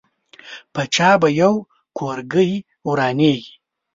په چا به یو کورګۍ ورانېږي.